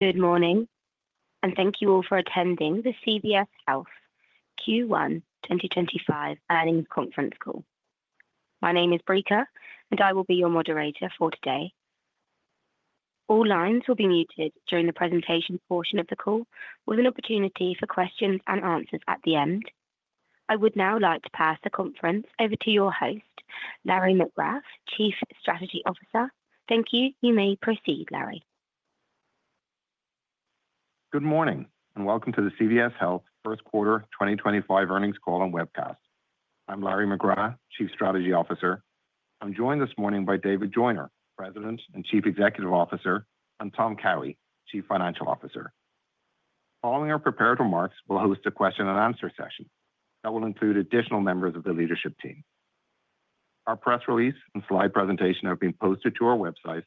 Good morning, and thank you all for attending the CVS Health Q1 2025 earnings conference call. My name is [Brika], and I will be your moderator for today. All lines will be muted during the presentation portion of the call, with an opportunity for questions and answers at the end. I would now like to pass the conference over to your host, Larry McGrath, Chief Strategy Officer. Thank you. You may proceed, Larry. Good morning, and welcome to the CVS Health first quarter 2025 earnings call and webcast. I'm Larry McGrath, Chief Strategy Officer. I'm joined this morning by David Joyner, President and Chief Executive Officer, and Tom Cowhey, Chief Financial Officer. Following our prepared remarks, we'll host a question-and-answer session that will include additional members of the leadership team. Our press release and slide presentation have been posted to our website,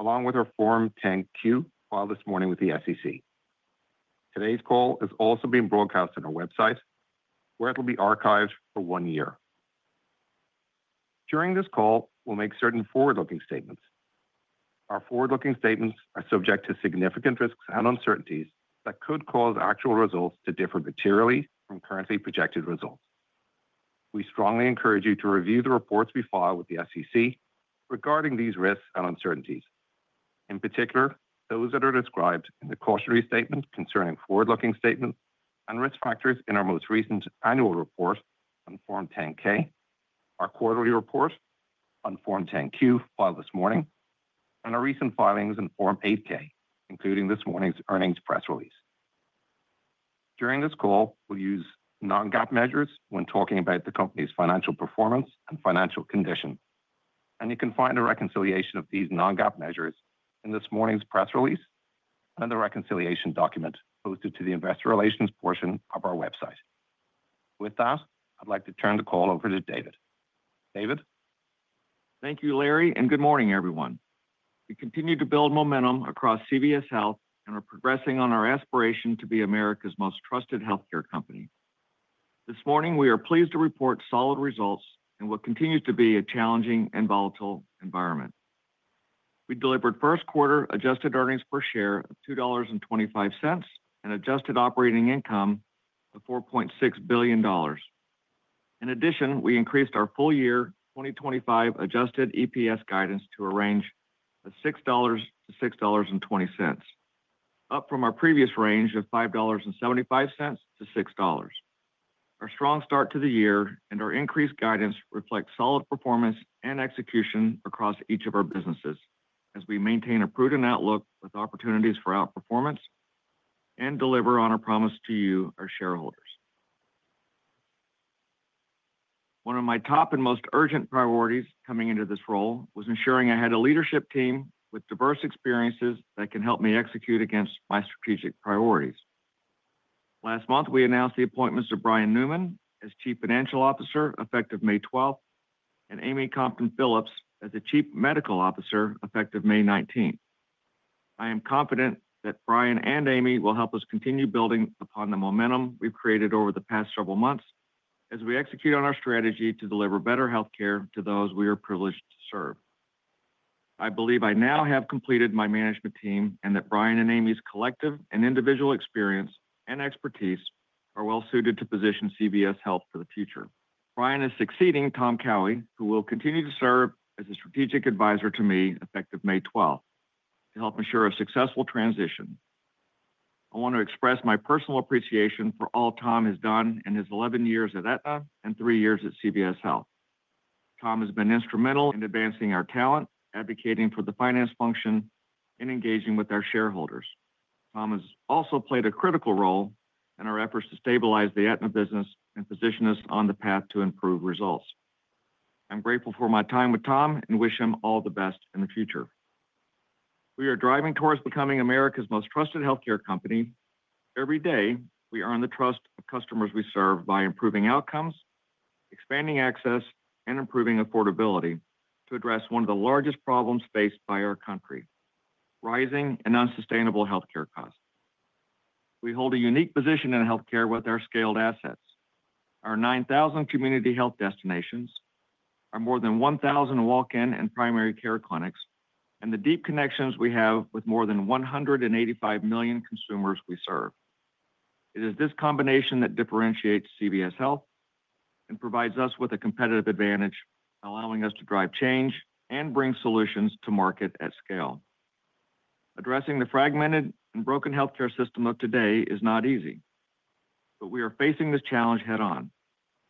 along with our Form 10-Q filed this morning with the SEC. Today's call is also being broadcast on our website, where it will be archived for one year. During this call, we'll make certain forward-looking statements. Our forward-looking statements are subject to significant risks and uncertainties that could cause actual results to differ materially from currently projected results. We strongly encourage you to review the reports we file with the SEC regarding these risks and uncertainties. In particular, those that are described in the cautionary statement concerning forward-looking statements and risk factors in our most recent annual report on Form 10-K, our quarterly report on Form 10-Q filed this morning, and our recent filings in Form 8-K, including this morning's earnings press release. During this call, we'll use non-GAAP measures when talking about the company's financial performance and financial condition. You can find a reconciliation of these non-GAAP measures in this morning's press release and the reconciliation document posted to the Investor Relations portion of our website. With that, I'd like to turn the call over to David. David. Thank you, Larry, and good morning, everyone. We continue to build momentum across CVS Health and are progressing on our aspiration to be America's most trusted healthcare company. This morning, we are pleased to report solid results in what continues to be a challenging and volatile environment. We delivered first-quarter adjusted earnings per share of $2.25 and adjusted operating income of $4.6 billion. In addition, we increased our full-year 2025 adjusted EPS guidance to a range of $6-$6.20, up from our previous range of $5.75-$6. Our strong start to the year and our increased guidance reflect solid performance and execution across each of our businesses as we maintain a prudent outlook with opportunities for outperformance and deliver on our promise to you, our shareholders. One of my top and most urgent priorities coming into this role was ensuring I had a leadership team with diverse experiences that can help me execute against my strategic priorities. Last month, we announced the appointments of Brian Newman as Chief Financial Officer effective May 12th and Amy Compton-Phillips as Chief Medical Officer effective May 19th. I am confident that Brian and Amy will help us continue building upon the momentum we've created over the past several months as we execute on our strategy to deliver better healthcare to those we are privileged to serve. I believe I now have completed my management team and that Brian and Amy's collective and individual experience and expertise are well-suited to position CVS Health for the future. Brian is succeeding Tom Cowhey, who will continue to serve as a strategic advisor to me effective May 12th to help ensure a successful transition. I want to express my personal appreciation for all Tom has done in his 11 years at Aetna and three years at CVS Health. Tom has been instrumental in advancing our talent, advocating for the finance function, and engaging with our shareholders. Tom has also played a critical role in our efforts to stabilize the Aetna business and position us on the path to improved results. I'm grateful for my time with Tom and wish him all the best in the future. We are driving towards becoming America's most trusted healthcare company. Every day, we earn the trust of customers we serve by improving outcomes, expanding access, and improving affordability to address one of the largest problems faced by our country: rising and unsustainable healthcare costs. We hold a unique position in healthcare with our scaled assets. Our 9,000 community health destinations, our more than 1,000 walk-in and primary care clinics, and the deep connections we have with more than 185 million consumers we serve. It is this combination that differentiates CVS Health and provides us with a competitive advantage, allowing us to drive change and bring solutions to market at scale. Addressing the fragmented and broken healthcare system of today is not easy, but we are facing this challenge head-on.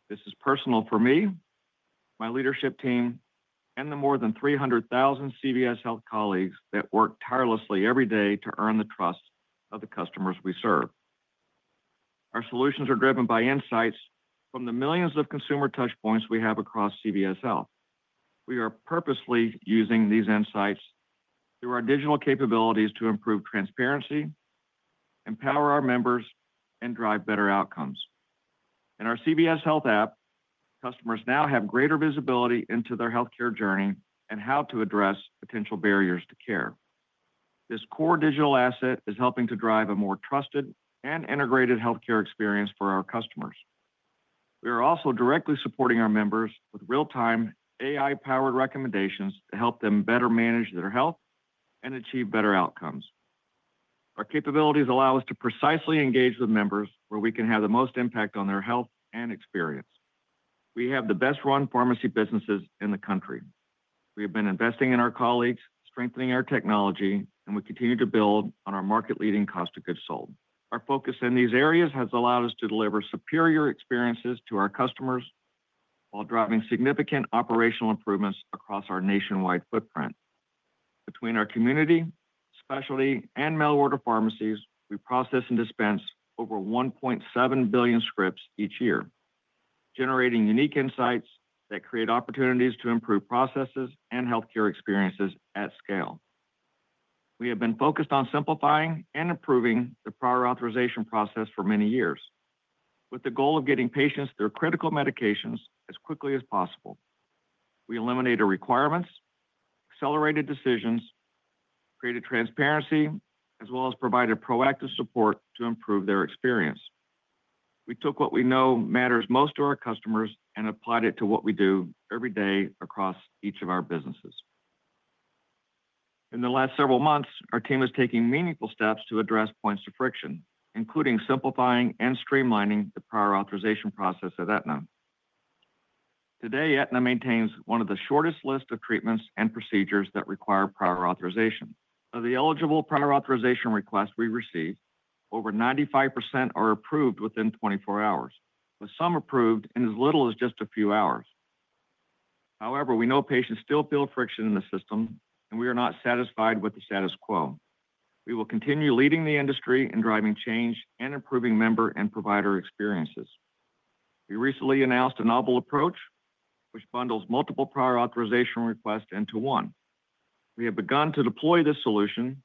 This is personal for me, my leadership team, and the more than 300,000 CVS Health colleagues that work tirelessly every day to earn the trust of the customers we serve. Our solutions are driven by insights from the millions of consumer touchpoints we have across CVS Health. We are purposely using these insights through our digital capabilities to improve transparency, empower our members, and drive better outcomes. In our CVS Health app, customers now have greater visibility into their healthcare journey and how to address potential barriers to care. This core digital asset is helping to drive a more trusted and integrated healthcare experience for our customers. We are also directly supporting our members with real-time AI-powered recommendations to help them better manage their health and achieve better outcomes. Our capabilities allow us to precisely engage with members where we can have the most impact on their health and experience. We have the best-run pharmacy businesses in the country. We have been investing in our colleagues, strengthening our technology, and we continue to build on our market-leading cost of goods sold. Our focus in these areas has allowed us to deliver superior experiences to our customers while driving significant operational improvements across our nationwide footprint. Between our community, specialty, and mail-order pharmacies, we process and dispense over 1.7 billion scripts each year, generating unique insights that create opportunities to improve processes and healthcare experiences at scale. We have been focused on simplifying and improving the prior authorization process for many years, with the goal of getting patients their critical medications as quickly as possible. We eliminated requirements, accelerated decisions, created transparency, as well as provided proactive support to improve their experience. We took what we know matters most to our customers and applied it to what we do every day across each of our businesses. In the last several months, our team is taking meaningful steps to address points of friction, including simplifying and streamlining the prior authorization process at Aetna. Today, Aetna maintains one of the shortest lists of treatments and procedures that require prior authorization. Of the eligible prior authorization requests we've received, over 95% are approved within 24 hours, with some approved in as little as just a few hours. However, we know patients still feel friction in the system, and we are not satisfied with the status quo. We will continue leading the industry in driving change and improving member and provider experiences. We recently announced a novel approach which bundles multiple prior authorization requests into one. We have begun to deploy this solution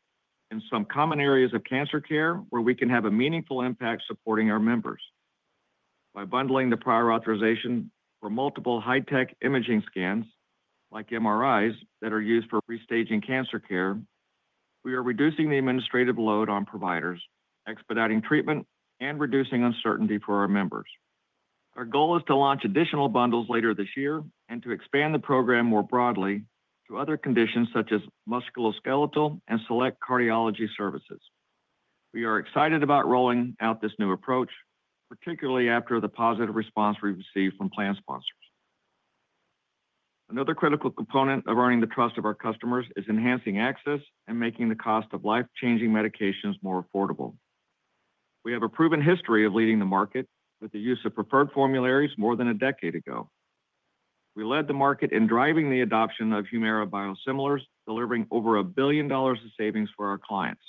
in some common areas of cancer care where we can have a meaningful impact supporting our members. By bundling the prior authorization for multiple high-tech imaging scans, like MRIs that are used for restaging cancer care, we are reducing the administrative load on providers, expediting treatment, and reducing uncertainty for our members. Our goal is to launch additional bundles later this year and to expand the program more broadly to other conditions such as musculoskeletal and select cardiology services. We are excited about rolling out this new approach, particularly after the positive response we've received from plan sponsors. Another critical component of earning the trust of our customers is enhancing access and making the cost of life-changing medications more affordable. We have a proven history of leading the market with the use of preferred formularies more than a decade ago. We led the market in driving the adoption of Humira biosimilars, delivering over a billion dollars in savings for our clients.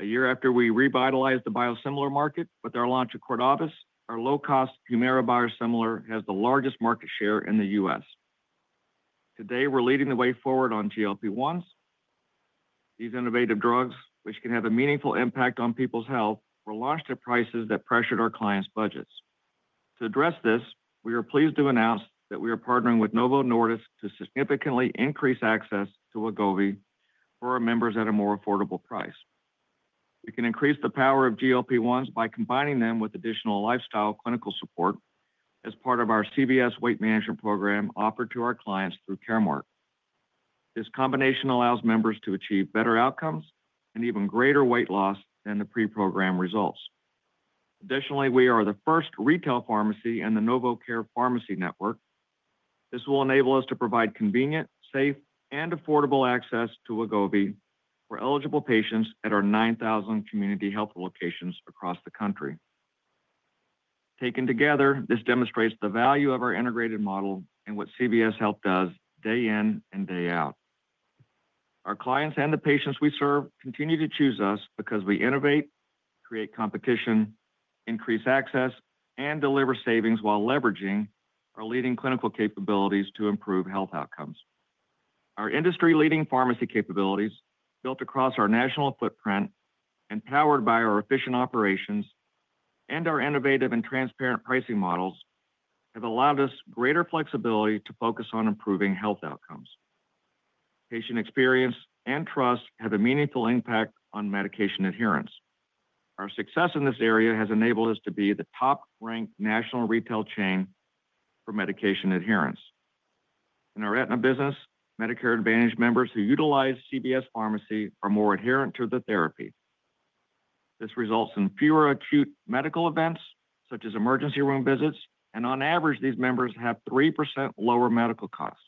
A year after we revitalized the biosimilar market with our launch at Cordavis, our low-cost Humira biosimilar has the largest market share in the U.S. Today, we're leading the way forward on GLP-1s. These innovative drugs, which can have a meaningful impact on people's health, were launched at prices that pressured our clients' budgets. To address this, we are pleased to announce that we are partnering with Novo Nordisk to significantly increase access to Wegovy for our members at a more affordable price. We can increase the power of GLP-1s by combining them with additional lifestyle clinical support as part of our CVS Weight Management program offered to our clients through Caremark. This combination allows members to achieve better outcomes and even greater weight loss than the pre-program results. Additionally, we are the first retail pharmacy in the NovoCare pharmacy network. This will enable us to provide convenient, safe, and affordable access to Wegovy for eligible patients at our 9,000 community health locations across the country. Taken together, this demonstrates the value of our integrated model and what CVS Health does day in and day out. Our clients and the patients we serve continue to choose us because we innovate, create competition, increase access, and deliver savings while leveraging our leading clinical capabilities to improve health outcomes. Our industry-leading pharmacy capabilities, built across our national footprint, empowered by our efficient operations and our innovative and transparent pricing models, have allowed us greater flexibility to focus on improving health outcomes. Patient experience and trust have a meaningful impact on medication adherence. Our success in this area has enabled us to be the top-ranked national retail chain for medication adherence. In our Aetna business, Medicare Advantage members who utilize CVS Pharmacy are more adherent to the therapy. This results in fewer acute medical events, such as emergency room visits, and on average, these members have 3% lower medical costs.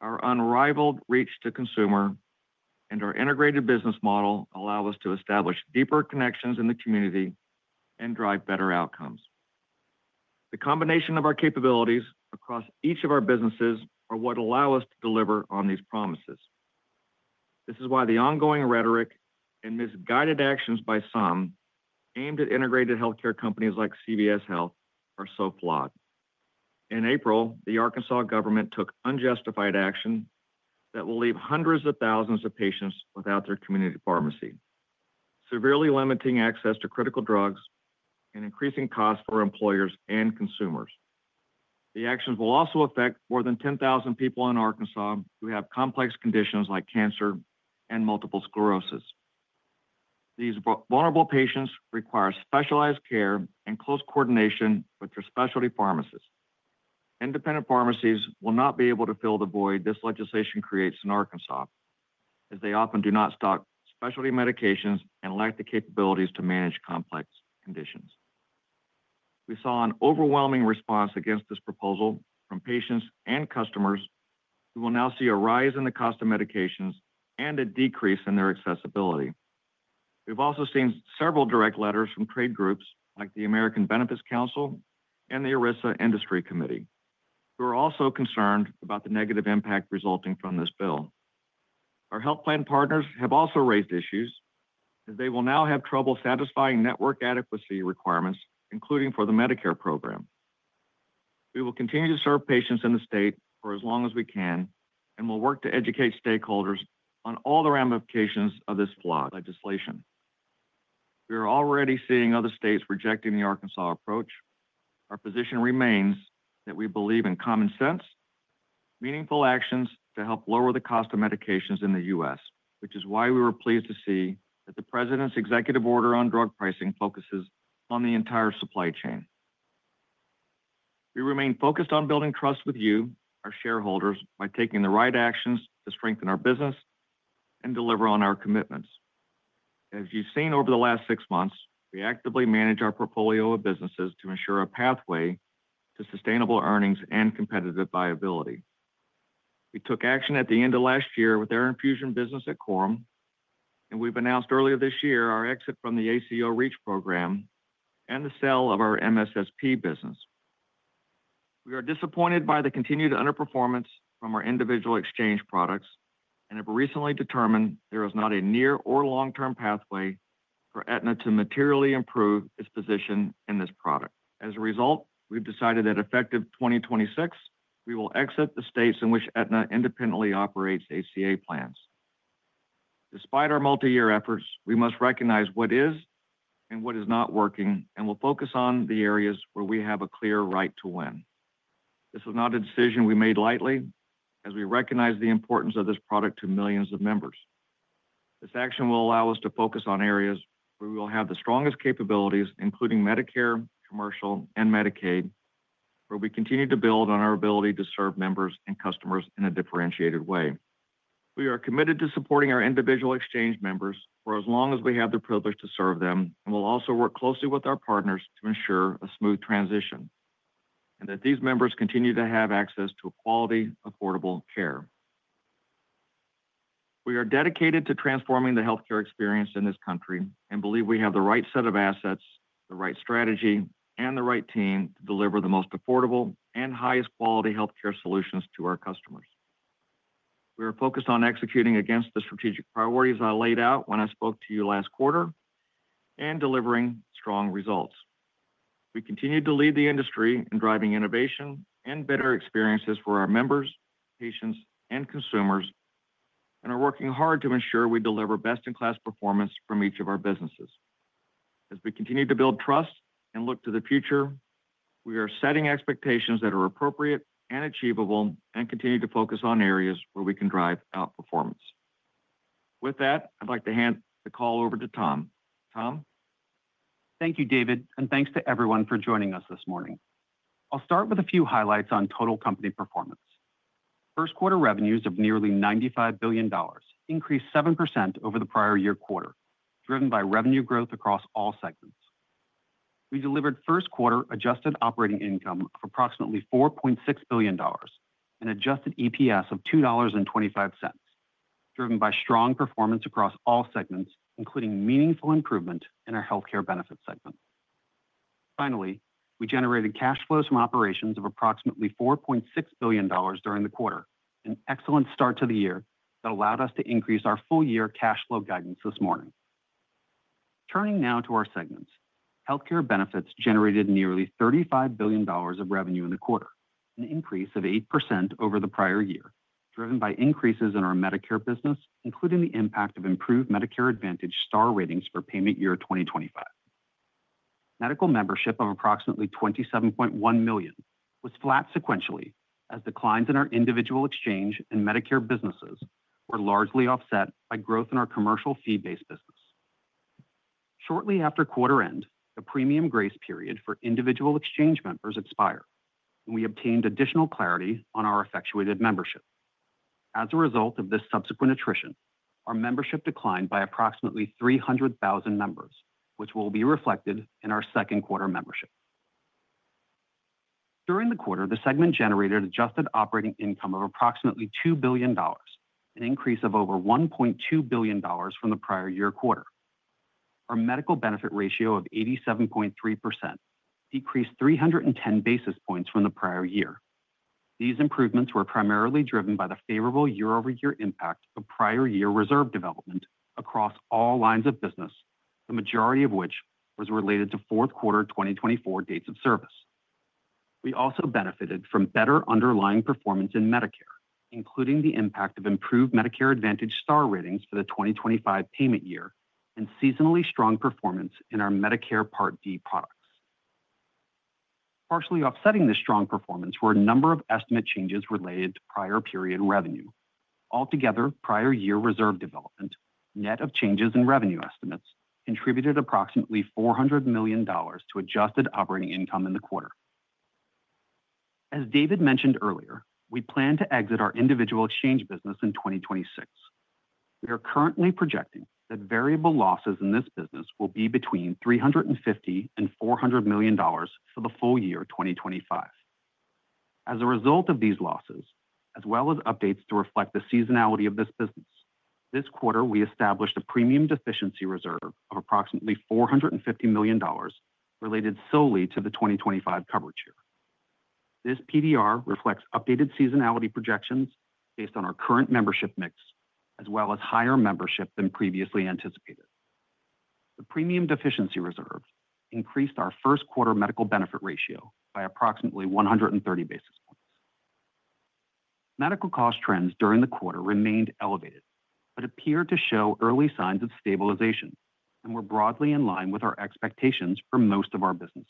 Our unrivaled reach to consumer and our integrated business model allow us to establish deeper connections in the community and drive better outcomes. The combination of our capabilities across each of our businesses is what allows us to deliver on these promises. This is why the ongoing rhetoric and misguided actions by some aimed at integrated healthcare companies like CVS Health are so flawed. In April, the Arkansas government took unjustified action that will leave hundreds of thousands of patients without their community pharmacy, severely limiting access to critical drugs and increasing costs for employers and consumers. The actions will also affect more than 10,000 people in Arkansas who have complex conditions like cancer and multiple sclerosis. These vulnerable patients require specialized care and close coordination with their specialty pharmacists. Independent pharmacies will not be able to fill the void this legislation creates in Arkansas, as they often do not stock specialty medications and lack the capabilities to manage complex conditions. We saw an overwhelming response against this proposal from patients and customers. We will now see a rise in the cost of medications and a decrease in their accessibility. We've also seen several direct letters from trade groups like the American Benefits Council and the ERISA Industry Committee. We're also concerned about the negative impact resulting from this bill. Our health plan partners have also raised issues as they will now have trouble satisfying network adequacy requirements, including for the Medicare program. We will continue to serve patients in the state for as long as we can and will work to educate stakeholders on all the ramifications of this flawed legislation. We are already seeing other states rejecting the Arkansas approach. Our position remains that we believe in common sense, meaningful actions to help lower the cost of medications in the U.S., which is why we were pleased to see that the President's executive order on drug pricing focuses on the entire supply chain. We remain focused on building trust with you, our shareholders, by taking the right actions to strengthen our business and deliver on our commitments. As you've seen over the last six months, we actively manage our portfolio of businesses to ensure a pathway to sustainable earnings and competitive viability. We took action at the end of last year with our infusion business at Coram, and we have announced earlier this year our exit from the ACO REACH program and the sale of our MSSP business. We are disappointed by the continued underperformance from our individual exchange products and have recently determined there is not a near or long-term pathway for Aetna to materially improve its position in this product. As a result, we have decided that effective 2026, we will exit the states in which Aetna independently operates ACA plans. Despite our multi-year efforts, we must recognize what is and what is not working and will focus on the areas where we have a clear right to win. This is not a decision we made lightly, as we recognize the importance of this product to millions of members. This action will allow us to focus on areas where we will have the strongest capabilities, including Medicare, commercial, and Medicaid, where we continue to build on our ability to serve members and customers in a differentiated way. We are committed to supporting our individual exchange members for as long as we have the privilege to serve them, and we'll also work closely with our partners to ensure a smooth transition and that these members continue to have access to quality, affordable care. We are dedicated to transforming the healthcare experience in this country and believe we have the right set of assets, the right strategy, and the right team to deliver the most affordable and highest quality healthcare solutions to our customers. We are focused on executing against the strategic priorities I laid out when I spoke to you last quarter and delivering strong results. We continue to lead the industry in driving innovation and better experiences for our members, patients, and consumers and are working hard to ensure we deliver best-in-class performance from each of our businesses. As we continue to build trust and look to the future, we are setting expectations that are appropriate and achievable and continue to focus on areas where we can drive outperformance. With that, I'd like to hand the call over to Tom. Tom? Thank you, David, and thanks to everyone for joining us this morning. I'll start with a few highlights on total company performance. First quarter revenues of nearly $95 billion increased 7% over the prior-year quarter, driven by revenue growth across all segments. We delivered first quarter adjusted operating income of approximately $4.6 billion and adjusted EPS of $2.25, driven by strong performance across all segments, including meaningful improvement in our Health Care Benefits segment. Finally, we generated cash flows from operations of approximately $4.6 billion during the quarter, an excellent start to the year that allowed us to increase our full-year cash flow guidance this morning. Turning now to our segments, Health Care Benefits generated nearly $35 billion of revenue in the quarter, an increase of 8% over the prior year, driven by increases in our Medicare business, including the impact of improved Medicare Advantage Star Ratings for payment year 2025. Medical membership of approximately $27.1 million was flat sequentially as declines in our individual exchange and Medicare businesses were largely offset by growth in our commercial fee-based business. Shortly after quarter end, the premium grace period for individual exchange members expired, and we obtained additional clarity on our effectuated membership. As a result of this subsequent attrition, our membership declined by approximately 300,000 members, which will be reflected in our second quarter membership. During the quarter, the segment generated adjusted operating income of approximately $2 billion, an increase of over $1.2 billion from the prior-year quarter. Our medical benefit ratio of 87.3% decreased 310 basis points from the prior year. These improvements were primarily driven by the favorable year-over-year impact of prior year reserve development across all lines of business, the majority of which was related to fourth-quarter 2024 dates of service. We also benefited from better underlying performance in Medicare, including the impact of improved Medicare Advantage Star Ratings for the 2025 payment year and seasonally strong performance in our Medicare Part D products. Partially offsetting this strong performance were a number of estimate changes related to prior period revenue. Altogether, prior-year reserve development, net of changes in revenue estimates, contributed approximately $400 million to adjusted operating income in the quarter. As David mentioned earlier, we plan to exit our individual exchange business in 2026. We are currently projecting that variable losses in this business will be between $350 million and $400 million for the full year 2025. As a result of these losses, as well as updates to reflect the seasonality of this business, this quarter we established a premium deficiency reserve of approximately $450 million related solely to the 2025 coverage year. This PDR reflects updated seasonality projections based on our current membership mix, as well as higher membership than previously anticipated. The premium deficiency reserve increased our first quarter medical benefit ratio by approximately 130 basis points. Medical cost trends during the quarter remained elevated, but appeared to show early signs of stabilization and were broadly in line with our expectations for most of our businesses.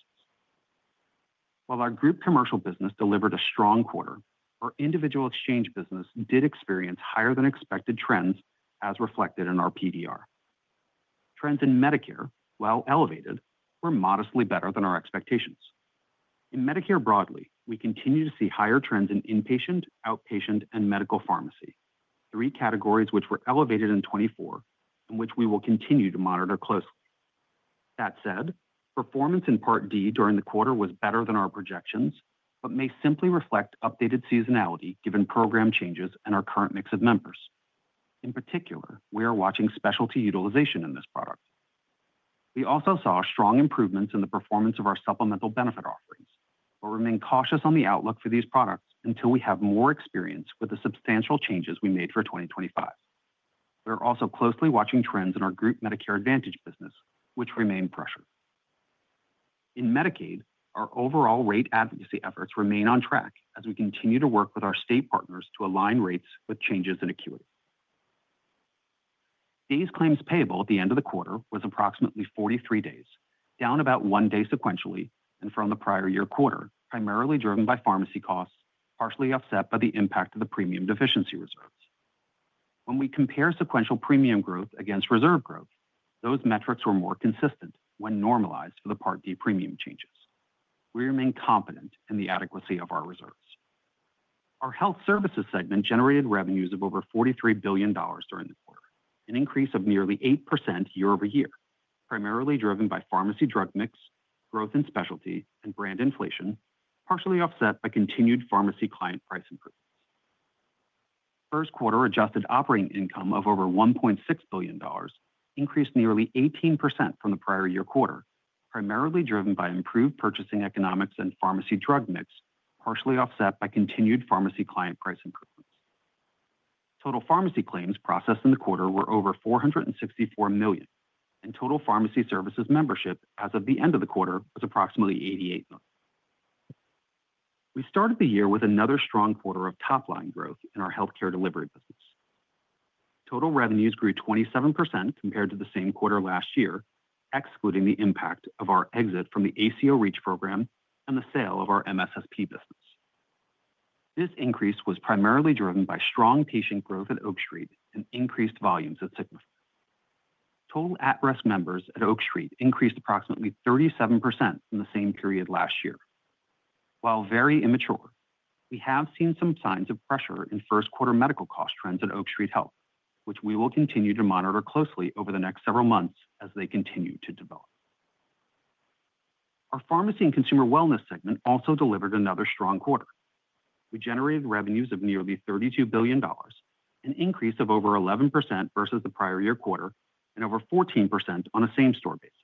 While our group commercial business delivered a strong quarter, our individual exchange business did experience higher-than-expected trends as reflected in our PDR. Trends in Medicare, while elevated, were modestly better than our expectations. In Medicare broadly, we continue to see higher trends in inpatient, outpatient, and medical pharmacy, three categories which were elevated in 2024 and which we will continue to monitor closely. That said, performance in Part D during the quarter was better than our projections, but may simply reflect updated seasonality given program changes and our current mix of members. In particular, we are watching specialty utilization in this product. We also saw strong improvements in the performance of our supplemental benefit offerings, but remain cautious on the outlook for these products until we have more experience with the substantial changes we made for 2025. We are also closely watching trends in our group Medicare Advantage business, which remain pressured. In Medicaid, our overall rate advocacy efforts remain on track as we continue to work with our state partners to align rates with changes in acuity. Days claims payable at the end of the quarter was approximately 43 days, down about one day sequentially and from the prior-year quarter, primarily driven by pharmacy costs, partially offset by the impact of the premium deficiency reserves. When we compare sequential premium growth against reserve growth, those metrics were more consistent when normalized for the Part D premium changes. We remain confident in the adequacy of our reserves. Our Health Services segment generated revenues of over $43 billion during the quarter, an increase of nearly 8% year-over-year, primarily driven by pharmacy drug mix, growth in specialty, and brand inflation, partially offset by continued pharmacy client price improvements. First quarter adjusted operating income of over $1.6 billion increased nearly 18% from the prior-year quarter, primarily driven by improved purchasing economics and pharmacy drug mix, partially offset by continued pharmacy client price improvements. Total pharmacy claims processed in the quarter were over $464 million, and total pharmacy services membership as of the end of the quarter was approximately $88 million. We started the year with another strong quarter of top-line growth in our Health Care Delivery business. Total revenues grew 27% compared to the same quarter last year, excluding the impact of our exit from the ACO REACH program and the sale of our MSSP business. This increase was primarily driven by strong patient growth at Oak Street and increased volumes at Signify. Total at-risk members at Oak Street increased approximately 37% in the same period last year. While very immature, we have seen some signs of pressure in first quarter medical cost trends at Oak Street Health, which we will continue to monitor closely over the next several months as they continue to develop. Our Pharmacy & Consumer Wellness segment also delivered another strong quarter. We generated revenues of nearly $32 billion, an increase of over 11% versus the prior-year quarter, and over 14% on a same-store basis.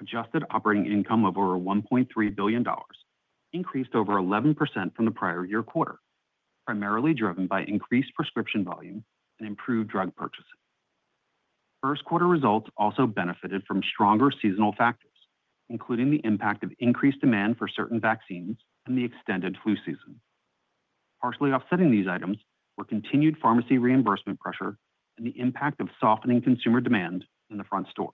Adjusted operating income of over $1.3 billion increased over 11% from the prior-year quarter, primarily driven by increased prescription volume and improved drug purchasing. First quarter results also benefited from stronger seasonal factors, including the impact of increased demand for certain vaccines and the extended flu season. Partially offsetting these items were continued pharmacy reimbursement pressure and the impact of softening consumer demand in the front store.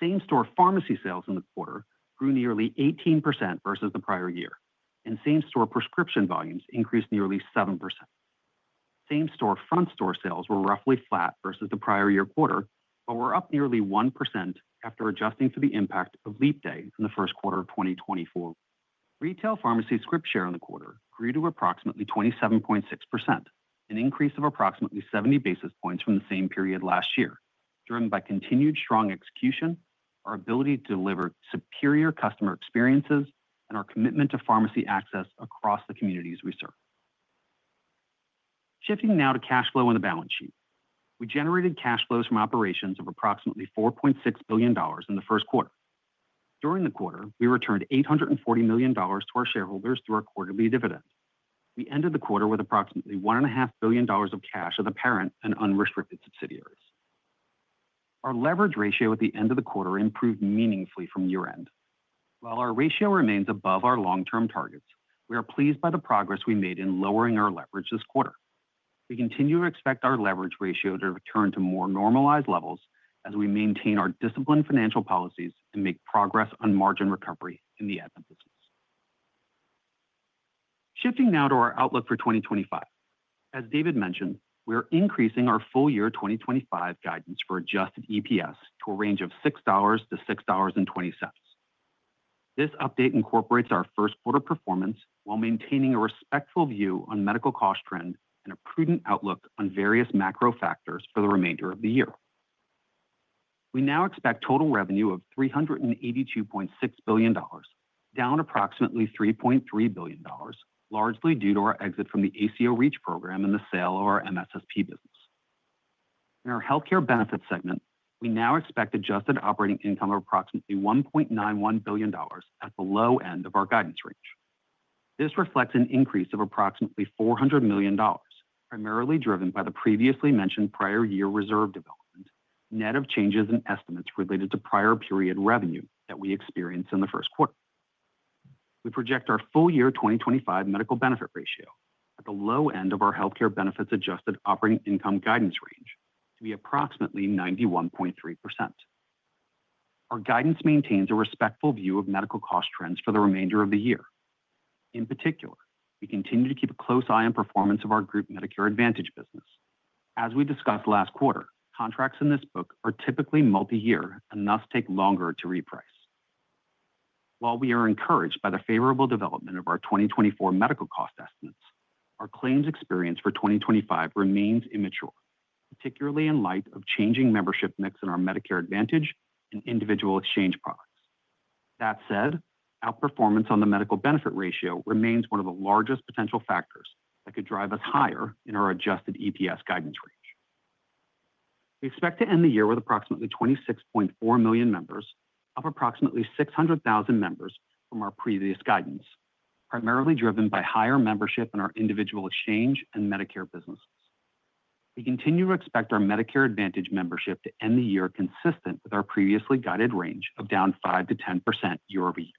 Same-store pharmacy sales in the quarter grew nearly 18% versus the prior year, and same-store prescription volumes increased nearly 7%. Same-store front-store sales were roughly flat versus the prior-year quarter, but were up nearly 1% after adjusting for the impact of Leap Day in the first quarter of 2024. Retail pharmacy scripts share in the quarter grew to approximately 27.6%, an increase of approximately 70 basis points from the same period last year, driven by continued strong execution, our ability to deliver superior customer experiences, and our commitment to pharmacy access across the communities we serve. Shifting now to cash flow in the balance sheet, we generated cash flows from operations of approximately $4.6 billion in the first quarter. During the quarter, we returned $840 million to our shareholders through our quarterly dividend. We ended the quarter with approximately $1.5 billion of cash at the parent and unrestricted subsidiaries. Our leverage ratio at the end of the quarter improved meaningfully from year-end. While our ratio remains above our long-term targets, we are pleased by the progress we made in lowering our leverage this quarter. We continue to expect our leverage ratio to return to more normalized levels as we maintain our disciplined financial policies and make progress on margin recovery in the Aetna business. Shifting now to our outlook for 2025. As David mentioned, we are increasing our full year 2025 guidance for adjusted EPS to a range of $6.00-$6.20. This update incorporates our first quarter performance while maintaining a respectful view on medical cost trend and a prudent outlook on various macro factors for the remainder of the year. We now expect total revenue of $382.6 billion, down approximately $3.3 billion, largely due to our exit from the ACO REACH program and the sale of our MSSP business. In our Health Care Benefits segment, we now expect adjusted operating income of approximately $1.91 billion at the low end of our guidance range. This reflects an increase of approximately $400 million, primarily driven by the previously mentioned prior year reserve development, net of changes in estimates related to prior period revenue that we experienced in the first quarter. We project our full year 2025 medical benefit ratio at the low end of our Health Care Benefits adjusted operating income guidance range to be approximately 91.3%. Our guidance maintains a respectful view of medical cost trends for the remainder of the year. In particular, we continue to keep a close eye on performance of our group Medicare Advantage business. As we discussed last quarter, contracts in this book are typically multi-year and thus take longer to reprice. While we are encouraged by the favorable development of our 2024 medical cost estimates, our claims experience for 2025 remains immature, particularly in light of changing membership mix in our Medicare Advantage and individual exchange products. That said, our performance on the medical benefit ratio remains one of the largest potential factors that could drive us higher in our adjusted EPS guidance range. We expect to end the year with approximately 26.4 million members, up approximately 600,000 members from our previous guidance, primarily driven by higher membership in our individual exchange and Medicare businesses. We continue to expect our Medicare Advantage membership to end the year consistent with our previously guided range of down 5%-10% year-over-year.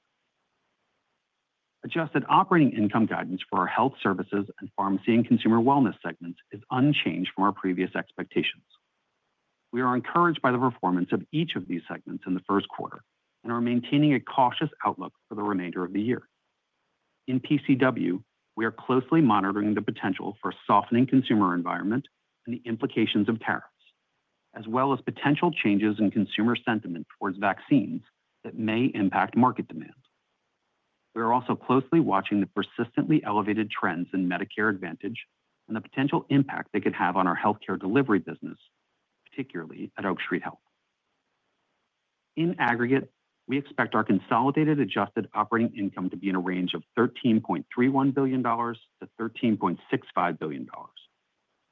Adjusted operating income guidance for our Health Services and Pharmacy & Consumer Wellness segments is unchanged from our previous expectations. We are encouraged by the performance of each of these segments in the first quarter and are maintaining a cautious outlook for the remainder of the year. In PCW, we are closely monitoring the potential for a softening consumer environment and the implications of tariffs, as well as potential changes in consumer sentiment towards vaccines that may impact market demand. We are also closely watching the persistently elevated trends in Medicare Advantage and the potential impact they could have on our Health Care Delivery business, particularly at Oak Street Health. In aggregate, we expect our consolidated adjusted operating income to be in a range of $13.31 billion-$13.65 billion.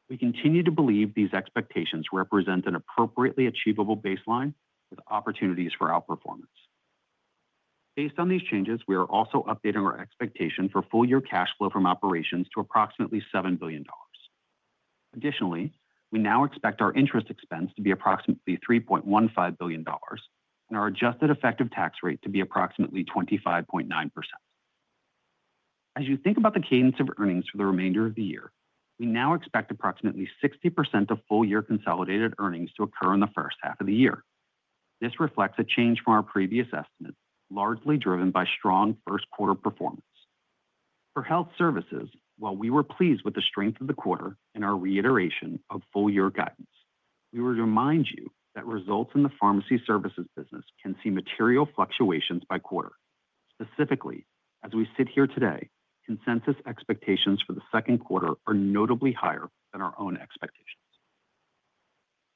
We continue to believe these expectations represent an appropriately achievable baseline with opportunities for outperformance. Based on these changes, we are also updating our expectation for full year cash flow from operations to approximately $7 billion. Additionally, we now expect our interest expense to be approximately $3.15 billion and our adjusted effective tax rate to be approximately 25.9%. As you think about the cadence of earnings for the remainder of the year, we now expect approximately 60% of full year consolidated earnings to occur in the first half of the year. This reflects a change from our previous estimates, largely driven by strong first quarter performance. For health services, while we were pleased with the strength of the quarter and our reiteration of full year guidance, we would remind you that results in the Pharmacy Services business can see material fluctuations by quarter. Specifically, as we sit here today, consensus expectations for the second quarter are notably higher than our own expectations.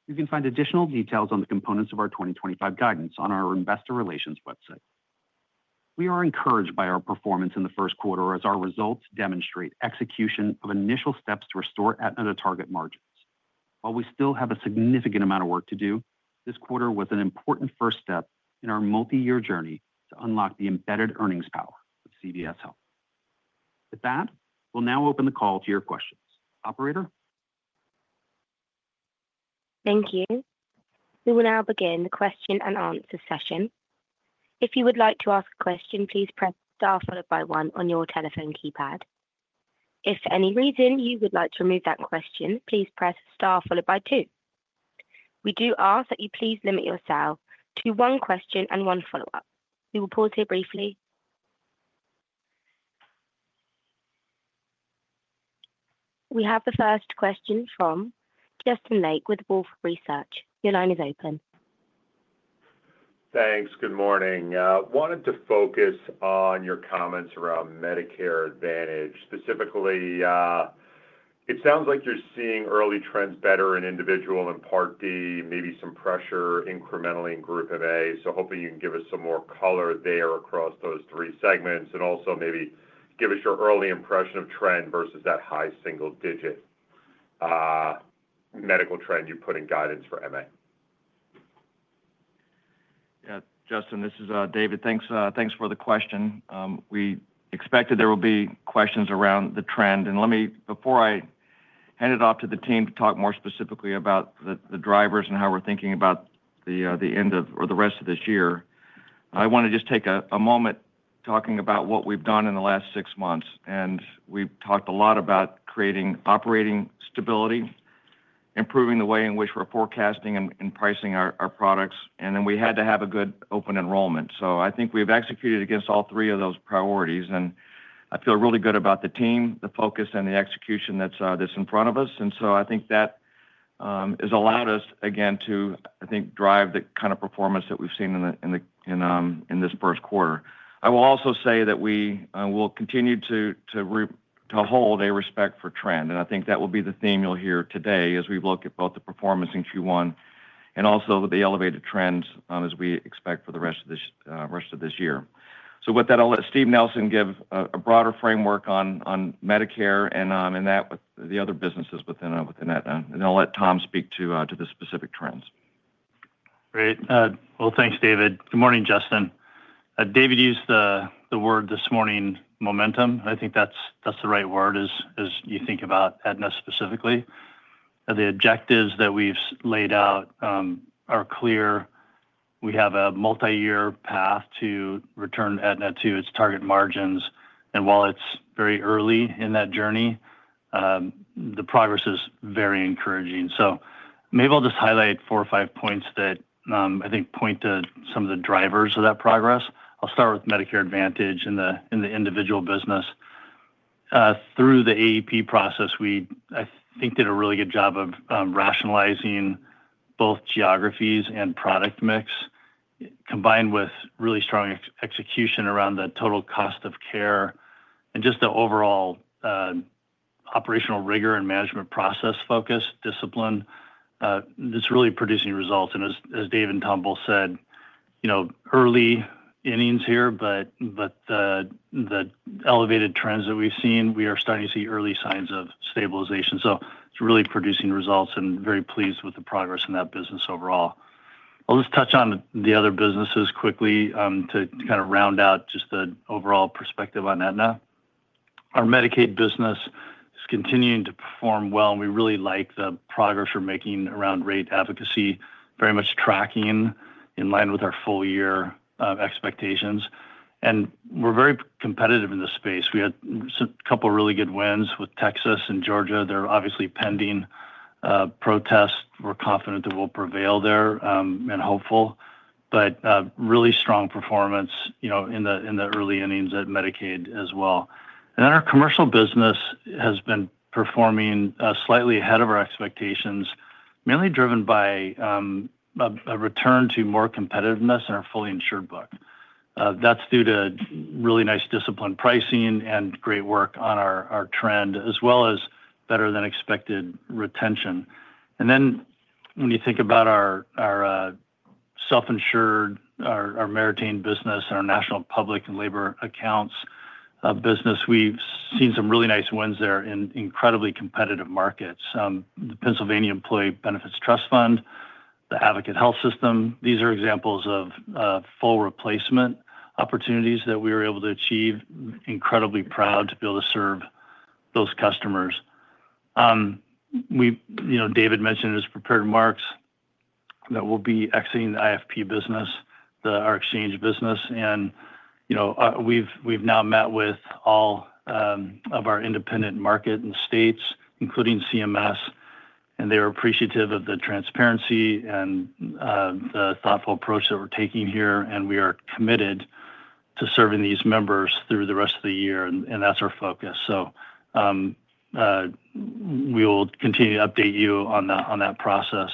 You can find additional details on the components of our 2025 guidance on our Investor Relations website. We are encouraged by our performance in the first quarter as our results demonstrate execution of initial steps to restore Aetna target margins. While we still have a significant amount of work to do, this quarter was an important first step in our multi-year journey to unlock the embedded earnings power of CVS Health. With that, we will now open the call to your questions. Operator? Thank you. We will now begin the question-and-answer session. If you would like to ask a question, please press star followed by one on your telephone keypad. If for any reason you would like to remove that question, please press star followed by two. We do ask that you please limit yourself to one question and one follow-up. We will pause here briefly. We have the first question from Justin Lake with Wolfe Research. Your line is open. Thanks. Good morning. I wanted to focus on your comments around Medicare Advantage. Specifically, it sounds like you're seeing early trends better in individual and Part D, maybe some pressure incrementally in group MA. Hopefully you can give us some more color there across those three segments and also maybe give us your early impression of trend versus that high single-digit medical trend you put in guidance for MA. Yeah. Justin, this is David. Thanks for the question. We expected there would be questions around the trend. Before I hand it off to the team to talk more specifically about the drivers and how we're thinking about the end of or the rest of this year, I want to just take a moment talking about what we've done in the last six months. We have talked a lot about creating operating stability, improving the way in which we are forecasting and pricing our products, and then we had to have a good open enrollment. I think we have executed against all three of those priorities, and I feel really good about the team, the focus, and the execution that is in front of us. I think that has allowed us, again, to drive the kind of performance that we have seen in this first quarter. I will also say that we will continue to hold a respect for trend, and I think that will be the theme you will hear today as we look at both the performance in Q1 and also the elevated trends as we expect for the rest of this year. With that, I'll let Steve Nelson give a broader framework on Medicare and that with the other businesses within that, and I'll let Tom speak to the specific trends. Great. Thanks, David. Good morning, Justin. David used the word this morning, momentum. I think that's the right word as you think about Aetna specifically. The objectives that we've laid out are clear. We have a multi-year path to return Aetna to its target margins, and while it's very early in that journey, the progress is very encouraging. Maybe I'll just highlight four or five points that I think point to some of the drivers of that progress. I'll start with Medicare Advantage in the individual business. Through the AEP process, we I think did a really good job of rationalizing both geographies and product mix, combined with really strong execution around the total cost of care and just the overall operational rigor and management process focus, discipline. It is really producing results. As David and Tom both said, early innings here, but the elevated trends that we have seen, we are starting to see early signs of stabilization. It is really producing results and very pleased with the progress in that business overall. I will just touch on the other businesses quickly to kind of round out just the overall perspective on Aetna. Our Medicaid business is continuing to perform well, and we really like the progress we are making around rate advocacy, very much tracking in line with our full year expectations. We are very competitive in this space. We had a couple of really good wins with Texas and Georgia. They are obviously pending protests. We are confident that we will prevail there and hopeful, but really strong performance in the early innings at Medicaid as well. Our commercial business has been performing slightly ahead of our expectations, mainly driven by a return to more competitiveness and our fully insured book. That is due to really nice discipline pricing and great work on our trend, as well as better than expected retention. When you think about our self-insured, our Meritain business, and our national public and labor accounts business, we have seen some really nice wins there in incredibly competitive markets. The Pennsylvania Employees Benefit Trust Fund, the Advocate Health System, these are examples of full replacement opportunities that we were able to achieve. Incredibly proud to be able to serve those customers. David mentioned as prepared marks that we'll be exiting the IFP business, our exchange business, and we've now met with all of our independent market and states, including CMS, and they are appreciative of the transparency and the thoughtful approach that we're taking here, and we are committed to serving these members through the rest of the year, and that's our focus. We will continue to update you on that process.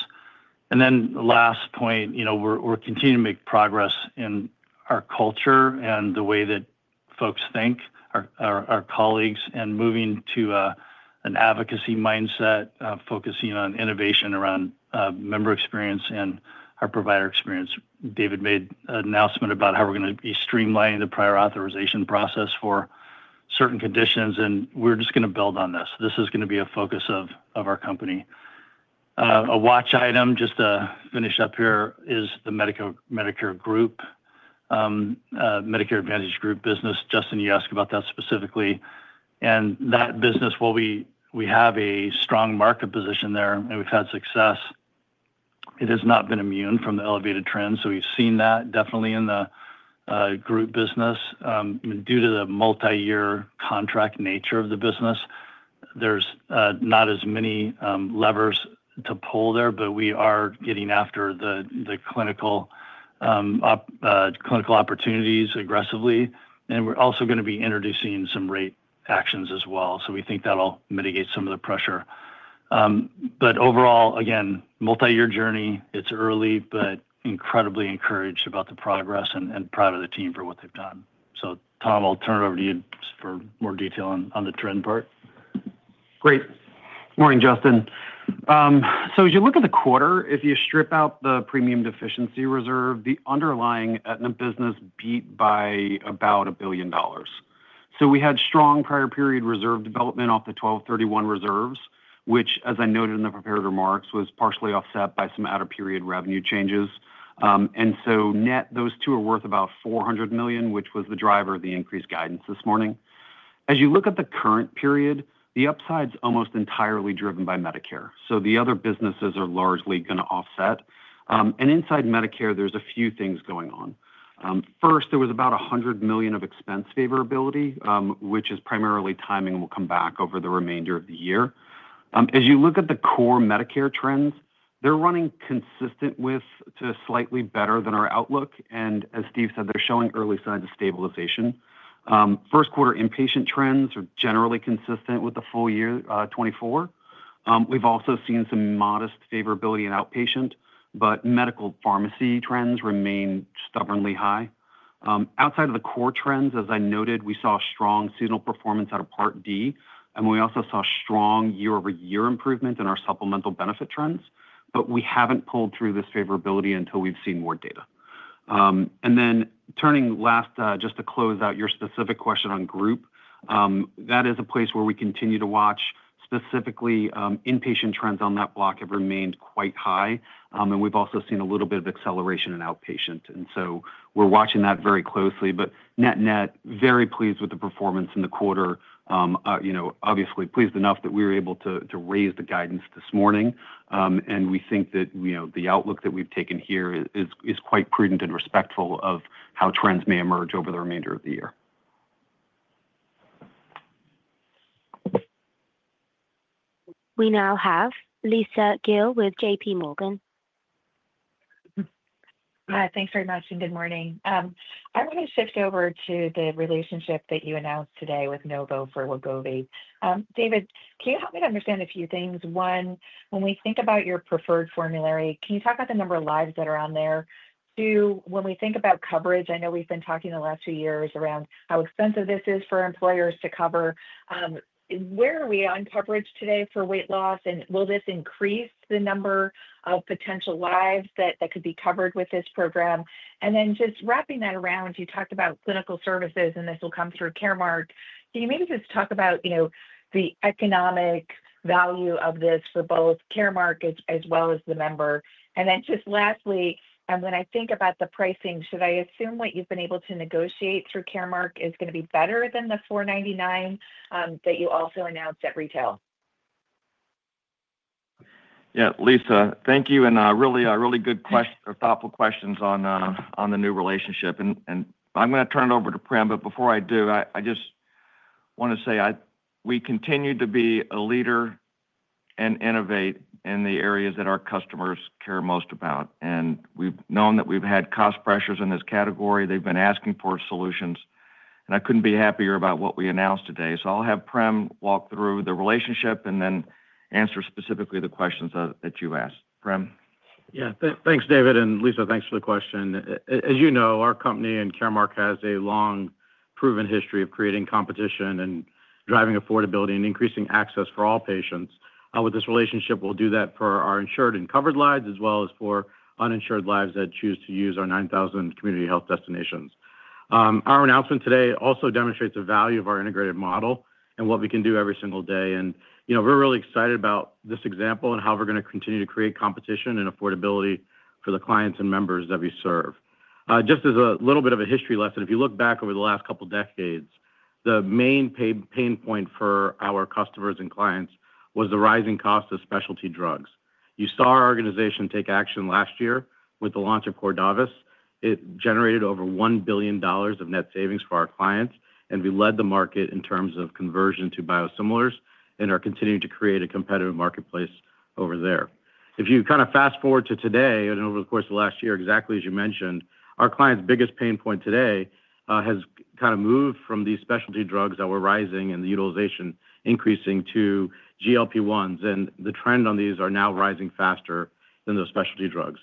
Last point, we're continuing to make progress in our culture and the way that folks think, our colleagues, and moving to an advocacy mindset, focusing on innovation around member experience and our provider experience. David made an announcement about how we're going to be streamlining the prior authorization process for certain conditions, and we're just going to build on this. This is going to be a focus of our company. A watch item, just to finish up here, is the Medicare group, Medicare Advantage group business. Justin, you asked about that specifically. That business, while we have a strong market position there and we've had success, has not been immune from the elevated trends. We have seen that definitely in the group business. Due to the multi-year contract nature of the business, there are not as many levers to pull there, but we are getting after the clinical opportunities aggressively. We are also going to be introducing some rate actions as well. We think that will mitigate some of the pressure. Overall, again, multi-year journey, it's early, but incredibly encouraged about the progress and proud of the team for what they've done. Tom, I'll turn it over to you for more detail on the trend part. Great. Good morning, Justin. As you look at the quarter, if you strip out the premium deficiency reserve, the underlying Aetna business beat by about $1 billion. We had strong prior period reserve development off the 12/31 reserves, which, as I noted in the prepared remarks, was partially offset by some out-of-period revenue changes. Net, those two are worth about $400 million, which was the driver of the increased guidance this morning. As you look at the current period, the upside is almost entirely driven by Medicare. The other businesses are largely going to offset. Inside Medicare, there are a few things going on. First, there was about $100 million of expense favorability, which is primarily timing and will come back over the remainder of the year. As you look at the core Medicare trends, they are running consistent with to slightly better than our outlook. As Steve said, they're showing early signs of stabilization. First quarter inpatient trends are generally consistent with the full year 2024. We have also seen some modest favorability in outpatient, but medical pharmacy trends remain stubbornly high. Outside of the core trends, as I noted, we saw strong seasonal performance out of Part D, and we also saw strong year-over-year improvement in our supplemental benefit trends, but we have not pulled through this favorability until we have seen more data. Turning last, just to close out your specific question on group, that is a place where we continue to watch. Specifically, inpatient trends on that block have remained quite high, and we have also seen a little bit of acceleration in outpatient. We are watching that very closely, but net-net, very pleased with the performance in the quarter. Obviously, pleased enough that we were able to raise the guidance this morning, and we think that the outlook that we've taken here is quite prudent and respectful of how trends may emerge over the remainder of the year. We now have Lisa Gill with JPMorgan. Hi. Thanks very much, and good morning. I want to shift over to the relationship that you announced today with Novo for Wegovy. David, can you help me to understand a few things? One, when we think about your preferred formulary, can you talk about the number of lives that are on there? Two, when we think about coverage, I know we've been talking the last few years around how expensive this is for employers to cover. Where are we on coverage today for weight loss, and will this increase the number of potential lives that could be covered with this program? Just wrapping that around, you talked about clinical services, and this will come through Caremark. Can you maybe just talk about the economic value of this for both Caremark as well as the member? Lastly, when I think about the pricing, should I assume what you've been able to negotiate through Caremark is going to be better than the $499 that you also announced at retail? Yeah. Lisa, thank you. Really good thoughtful questions on the new relationship. I'm going to turn it over to Prem, but before I do, I just want to say we continue to be a leader and innovate in the areas that our customers care most about. We've known that we've had cost pressures in this category. They've been asking for solutions, and I could not be happier about what we announced today. I'll have Prem walk through the relationship and then answer specifically the questions that you asked. Prem? Yeah. Thanks, David. And Lisa, thanks for the question. As you know, our company and Caremark has a long proven history of creating competition and driving affordability and increasing access for all patients. With this relationship, we'll do that for our insured and covered lives as well as for uninsured lives that choose to use our 9,000 community health destinations. Our announcement today also demonstrates the value of our integrated model and what we can do every single day. We're really excited about this example and how we're going to continue to create competition and affordability for the clients and members that we serve. Just as a little bit of a history lesson, if you look back over the last couple of decades, the main pain point for our customers and clients was the rising cost of specialty drugs. You saw our organization take action last year with the launch of Cordavis. It generated over $1 billion of net savings for our clients, and we led the market in terms of conversion to biosimilars and are continuing to create a competitive marketplace over there. If you kind of fast forward to today and over the course of the last year, exactly as you mentioned, our client's biggest pain point today has kind of moved from these specialty drugs that were rising and the utilization increasing to GLP-1s, and the trend on these are now rising faster than those specialty drugs.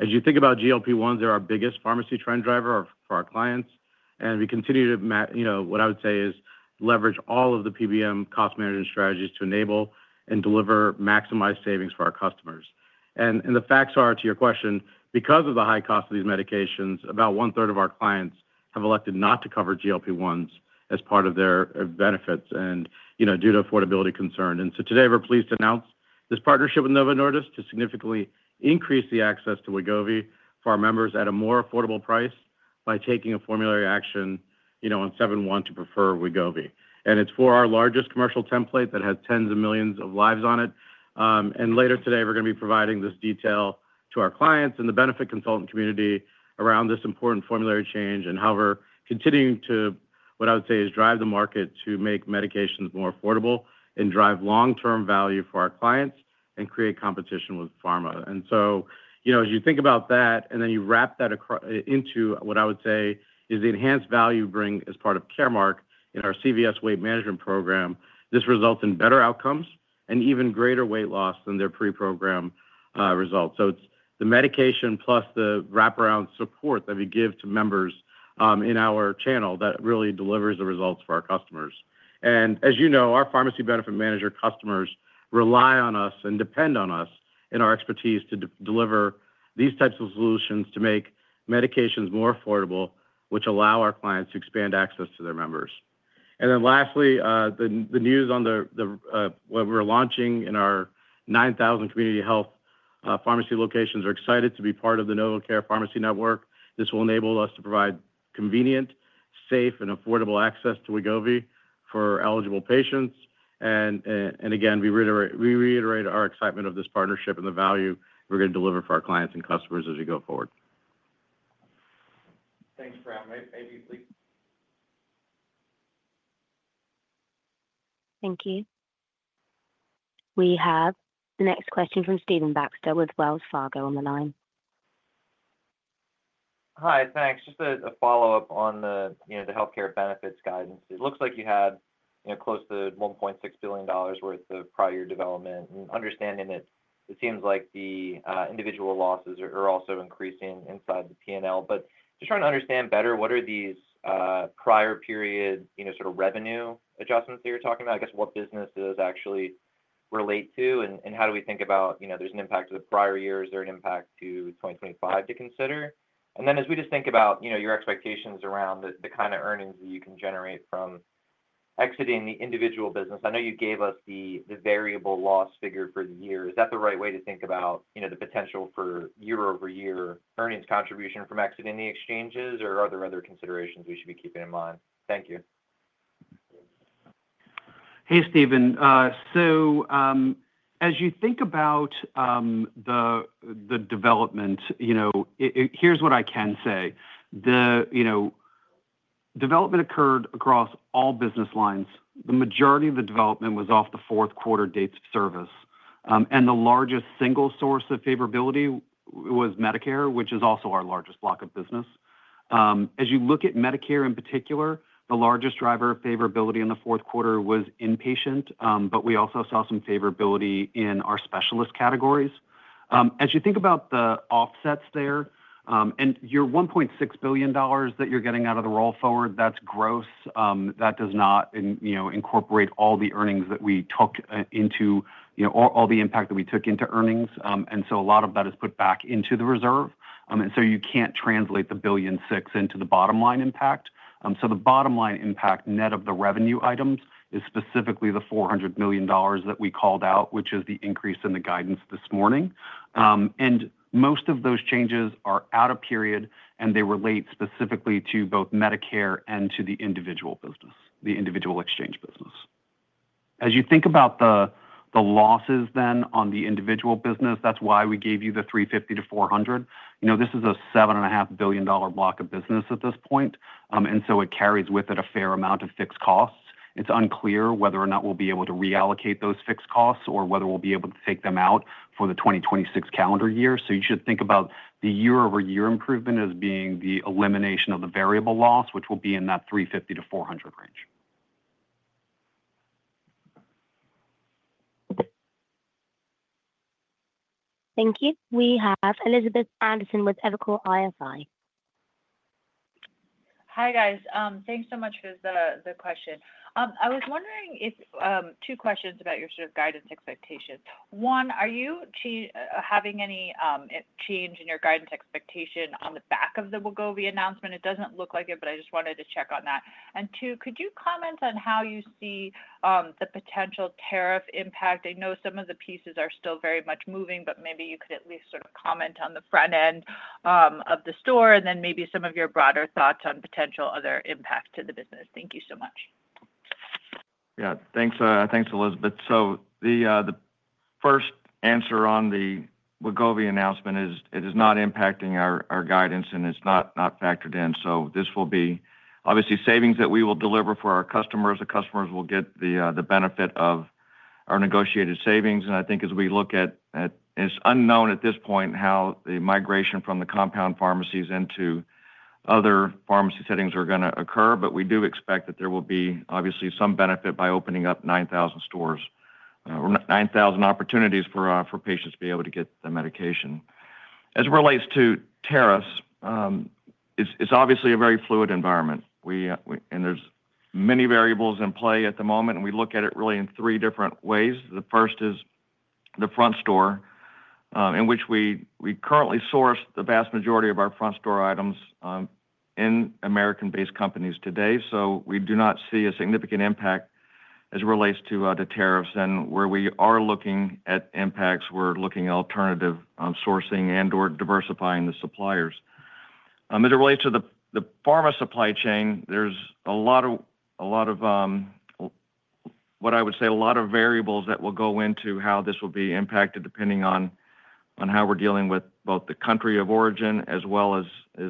As you think about GLP-1s, they're our biggest pharmacy trend driver for our clients. We continue to, what I would say, leverage all of the PBM CostVantage strategies to enable and deliver maximized savings for our customers. The facts are, to your question, because of the high cost of these medications, about one-third of our clients have elected not to cover GLP-1s as part of their benefits due to affordability concern. Today, we're pleased to announce this partnership with Novo Nordisk to significantly increase the access to Wegovy for our members at a more affordable price by taking a formulary action on 07/01 to prefer Wegovy. It is for our largest commercial template that has tens of millions of lives on it. Later today, we're going to be providing this detail to our clients and the benefit consultant community around this important formulary change and how we're continuing to, what I would say, is drive the market to make medications more affordable and drive long-term value for our clients and create competition with pharma. As you think about that, and then you wrap that into what I would say is the enhanced value you bring as part of Caremark in our CVS Weight Management Program, this results in better outcomes and even greater weight loss than their pre-program result. It is the medication plus the wraparound support that we give to members in our channel that really delivers the results for our customers. As you know, our pharmacy benefit manager customers rely on us and depend on us and our expertise to deliver these types of solutions to make medications more affordable, which allow our clients to expand access to their members. Lastly, the news on what we are launching in our 9,000 community health pharmacy locations is we are excited to be part of the NovoCare pharmacy network. This will enable us to provide convenient, safe, and affordable access to Wegovy for eligible patients. Again, we reiterate our excitement of this partnership and the value we are going to deliver for our clients and customers as we go forward. Thank you. We have the next question from Stephen Baxter with Wells Fargo on the line. Hi. Thanks. Just a follow-up on the Health Care Benefits guidance. It looks like you had close to $1.6 billion worth of prior development. Understanding that, it seems like the individual losses are also increasing inside the P&L. Just trying to understand better, what are these prior period sort of revenue adjustments that you're talking about? I guess what business do those actually relate to, and how do we think about there's an impact to the prior year? Is there an impact to 2025 to consider? As we just think about your expectations around the kind of earnings that you can generate from exiting the individual business, I know you gave us the variable loss figure for the year. Is that the right way to think about the potential for year-over-year earnings contribution from exiting the exchanges, or are there other considerations we should be keeping in mind? Thank you. Hey, Stephen. As you think about the development, here's what I can say. The development occurred across all business lines. The majority of the development was off the fourth quarter dates of service. The largest single source of favorability was Medicare, which is also our largest block of business. As you look at Medicare in particular, the largest driver of favorability in the fourth quarter was inpatient, but we also saw some favorability in our specialist categories. As you think about the offsets there, and your $1.6 billion that you're getting out of the roll forward, that's gross. That does not incorporate all the earnings that we took into all the impact that we took into earnings. A lot of that is put back into the reserve. You can't translate the $1.6 billion into the bottom line impact. The bottom line impact net of the revenue items is specifically the $400 million that we called out, which is the increase in the guidance this morning. Most of those changes are out of period, and they relate specifically to both Medicare and to the individual business, the individual exchange business. As you think about the losses then on the individual business, that's why we gave you the $350 million-$400 million. This is a $7.5 billion block of business at this point, and it carries with it a fair amount of fixed costs. It's unclear whether or not we'll be able to reallocate those fixed costs or whether we'll be able to take them out for the 2026 calendar year. You should think about the year-over-year improvement as being the elimination of the variable loss, which will be in that $350 million-$400 million range. Thank you. We have Elizabeth Anderson with Evercore ISI. Hi, guys. Thanks so much for the question. I was wondering if two questions about your sort of guidance expectations. One, are you having any change in your guidance expectation on the back of the Wegovy announcement? It does not look like it, but I just wanted to check on that. Two, could you comment on how you see the potential tariff impact? I know some of the pieces are still very much moving, but maybe you could at least sort of comment on the front end of the store and then maybe some of your broader thoughts on potential other impact to the business. Thank you so much. Yeah. Thanks, Elizabeth. The first answer on the Wegovy announcement is it is not impacting our guidance, and it is not factored in. This will be obviously savings that we will deliver for our customers. The customers will get the benefit of our negotiated savings. I think as we look at it, it's unknown at this point how the migration from the compound pharmacies into other pharmacy settings are going to occur, but we do expect that there will be obviously some benefit by opening up 9,000 stores or 9,000 opportunities for patients to be able to get the medication. As it relates to tariffs, it's obviously a very fluid environment, and there are many variables in play at the moment. We look at it really in three different ways. The first is the front store, in which we currently source the vast majority of our front store items in American-based companies today. We do not see a significant impact as it relates to tariffs. Where we are looking at impacts, we're looking at alternative sourcing and/or diversifying the suppliers. As it relates to the pharma supply chain, there's a lot of, what I would say, a lot of variables that will go into how this will be impacted depending on how we're dealing with both the country of origin as well as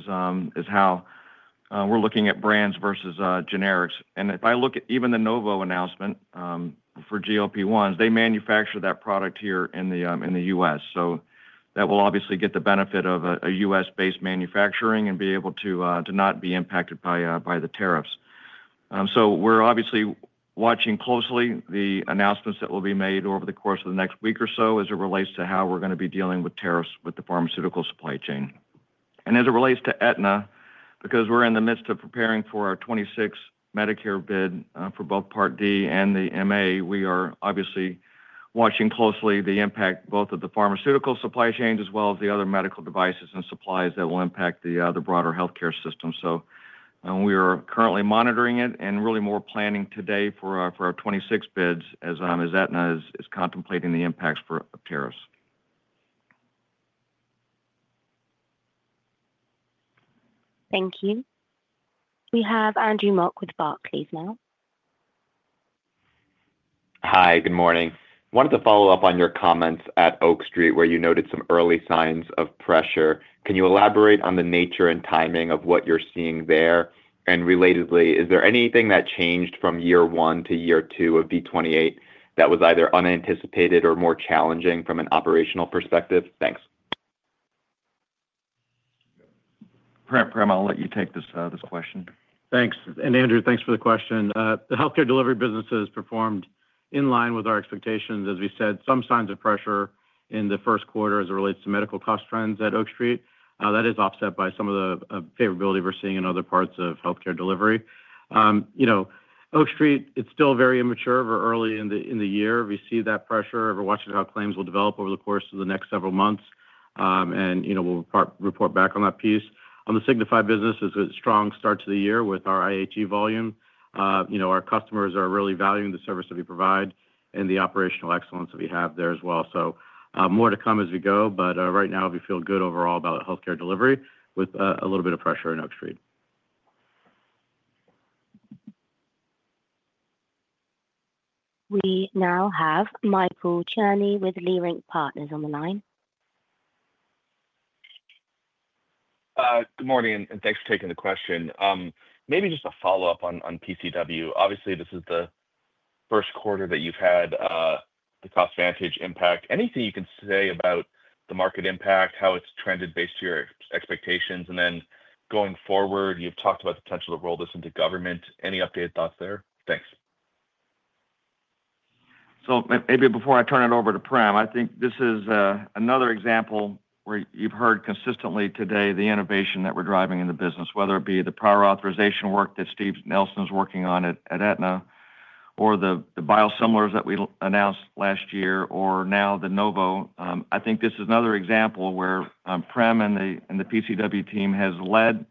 how we're looking at brands versus generics. If I look at even the Novo announcement for GLP-1s, they manufacture that product here in the U.S. That will obviously get the benefit of a U.S.-based manufacturing and be able to not be impacted by the tariffs. We're obviously watching closely the announcements that will be made over the course of the next week or so as it relates to how we're going to be dealing with tariffs with the pharmaceutical supply chain. As it relates to Aetna, because we're in the midst of preparing for our 2026 Medicare bid for both Part D and the MA, we are obviously watching closely the impact both of the pharmaceutical supply chains as well as the other medical devices and supplies that will impact the broader healthcare system. We are currently monitoring it and really more planning today for our 2026 bids as Aetna is contemplating the impacts for tariffs. Thank you. We have Andrew Mok with Barclays now. Hi. Good morning. Wanted to follow up on your comments at Oak Street where you noted some early signs of pressure. Can you elaborate on the nature and timing of what you're seeing there? Relatedly, is there anything that changed from year one to year two of V28 that was either unanticipated or more challenging from an operational perspective? Thanks. Prem, I'll let you take this question. Thanks. And Andrew, thanks for the question. The Health Care Delivery business has performed in line with our expectations. As we said, some signs of pressure in the first quarter as it relates to medical cost trends at Oak Street. That is offset by some of the favorability we're seeing in other parts of Health Care Delivery. Oak Street, it's still very immature or early in the year. We see that pressure. We're watching how claims will develop over the course of the next several months, and we'll report back on that piece. On the Signify business, it's a strong start to the year with our IHE volume. Our customers are really valuing the service that we provide and the operational excellence that we have there as well. More to come as we go, but right now, we feel good overall about Health Care Delivery with a little bit of pressure in Oak Street. We now have Michael Cherny with Leerink Partners on the line. Good morning, and thanks for taking the question. Maybe just a follow-up on PCW. Obviously, this is the first quarter that you've had the CostVantage impact. Anything you can say about the market impact, how it's trended based to your expectations? Going forward, you've talked about the potential to roll this into government. Any updated thoughts there? Thanks. Maybe before I turn it over to Prem, I think this is another example where you've heard consistently today the innovation that we're driving in the business, whether it be the prior authorization work that Steve Nelson is working on at Aetna or the biosimilars that we announced last year or now the Novo. I think this is another example where Prem and the PCW team have led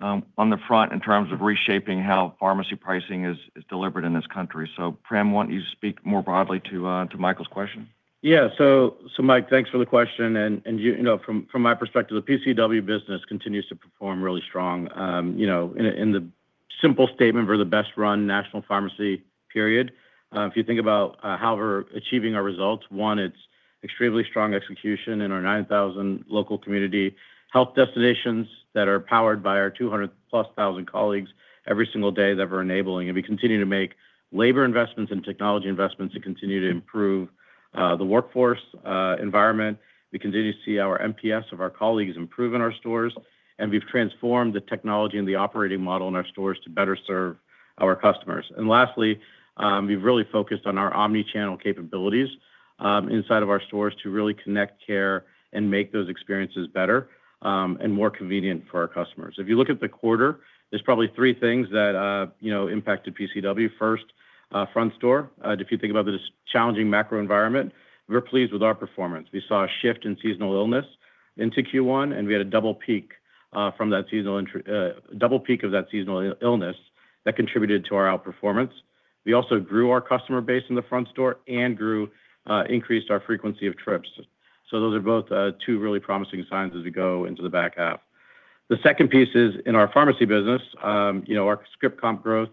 on the front in terms of reshaping how pharmacy pricing is delivered in this country. Prem, why don't you speak more broadly to Michael's question? Yeah. Mike, thanks for the question. From my perspective, the PCW business continues to perform really strong. In the simple statement for the best-run national pharmacy period, if you think about how we're achieving our results, one, it's extremely strong execution in our 9,000 local community health destinations that are powered by our 200-plus thousand colleagues every single day that we're enabling. We continue to make labor investments and technology investments to continue to improve the workforce environment. We continue to see our NPS of our colleagues improve in our stores, and we've transformed the technology and the operating model in our stores to better serve our customers. Lastly, we've really focused on our omnichannel capabilities inside of our stores to really connect care and make those experiences better and more convenient for our customers. If you look at the quarter, there's probably three things that impacted PCW. First, front store. If you think about the challenging macro environment, we're pleased with our performance. We saw a shift in seasonal illness into Q1, and we had a double peak from that seasonal double peak of that seasonal illness that contributed to our outperformance. We also grew our customer base in the front store and increased our frequency of trips. Those are both two really promising signs as we go into the back half. The second piece is in our pharmacy business. Our script comp growth